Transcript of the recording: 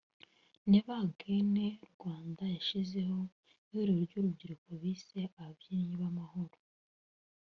Never Again Rwanda yashyizeho ihuriro ry’urubyiruko bise “Ababibyi b’amahoro”